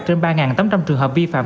trên ba tám trăm linh trường hợp vi phạm